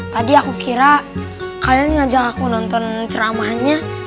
tadi aku kira kalian ngajak aku nonton ceramahnya